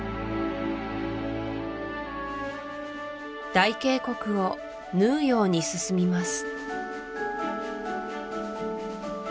大渓谷を縫うように進みます